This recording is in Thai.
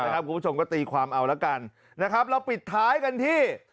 คุณผู้ชมก็ตีความเอาละกันนะครับเราปิดท้ายกันที่